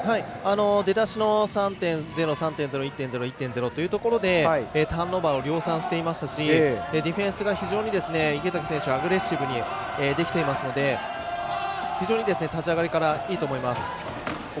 出だしの３．０３．０、１．０、１．０でターンオーバーを量産していましたしディフェンスが非常に池崎選手アグレッシブにできていますので非常に立ち上がりからいいと思います。